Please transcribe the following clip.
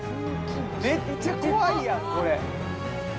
めっちゃ怖いやんこれ。